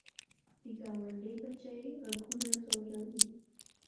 د ګاونډي بچي غږ ونه ځوروې